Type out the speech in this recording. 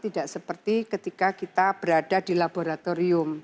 tidak seperti ketika kita berada di laboratorium